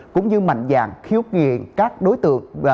cũng như mạnh dạng khiếu nghiện các đối tượng